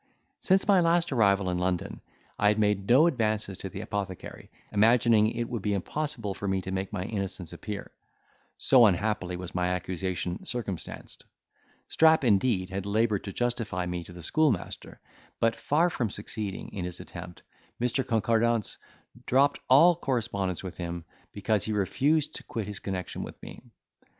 Since my last arrival in London, I had made no advances to the apothecary, imagining it would be impossible for me to make my innocence appear, so unhappily was my accusation circumstanced: Strap indeed had laboured to justify me to the schoolmaster; but, far from succeeding in his attempt, Mr. Concordance dropped all correspondence with him, because he refused to quit his connection with me.